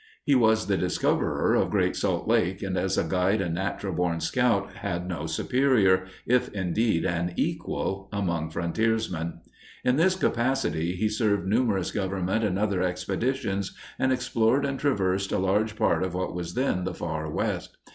He was the discoverer of Great Salt Lake, and as a guide and natural born scout had no superior, if, indeed, an equal, among frontiersmen. In this capacity he served numerous government and other expeditions and explored and traversed a large part of what was then the Far West.